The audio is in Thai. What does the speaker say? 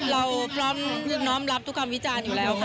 เราก็น้องรับทุกความวิจารณ์อยู่แล้วค่ะ